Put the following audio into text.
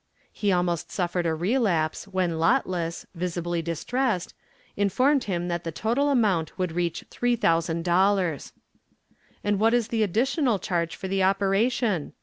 He almost suffered a relapse when Lotless, visibly distressed, informed him that the total amount would reach three thousand dollars. "And what is the additional charge for the operation?"